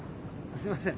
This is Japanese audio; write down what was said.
すみません。